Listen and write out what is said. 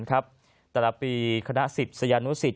แต่ละปีคณะศิษย์สยานุศิษย์